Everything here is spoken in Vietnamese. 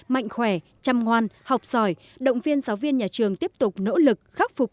mạnh khỏe chăm ngoan học giỏi động viên giáo viên nhà trường tiếp tục nỗ lực khắc phục